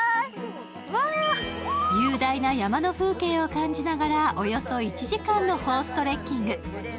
雄大な山の風景を感じながらおよそ１時間のホーストレッキング